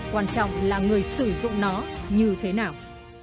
quan trọng là người sử dụng nó như thế nào